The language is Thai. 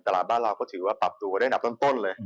ตลาดบ้านเราก็ถือว่าปรับตัวได้อันดับต้นเลย